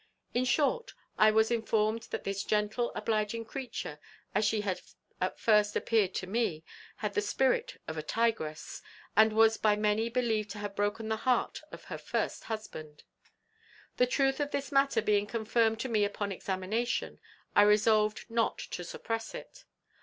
In short, I was Informed that this gentle obliging creature, as she had at first appeared to me, had the spirit of a tigress, and was by many believed to have broken the heart of her first husband. "The truth of this matter being confirmed to me upon examination, I resolved not to suppress it.